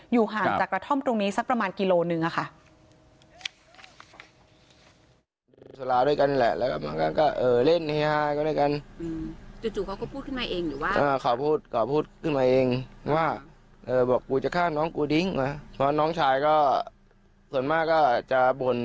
ห่างจากกระท่อมตรงนี้สักประมาณกิโลนึงอะค่ะ